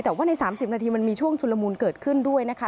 แต่ว่าใน๓๐นาทีมันมีช่วงชุลมูลเกิดขึ้นด้วยนะคะ